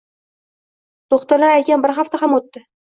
Do`xtirlar aytgan bir hafta ham o`tdi